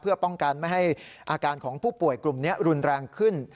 เพื่อป้องกันไม่ให้อาการของผู้ป่วยกลุ่มนี้รุนแรงขึ้น